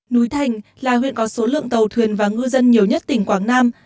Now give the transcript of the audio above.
núi thành là huyện có số lượng tàu thuyền và ngư dân nhiều nhất tỉnh quảng nam